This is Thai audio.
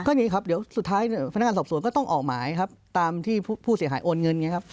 ก็นี่ครับเดี๋ยวสุดท้ายพนักงานสอบสวนก็ต้องออกหมายครับตามที่ผู้เสียหายโอนเงินไงครับ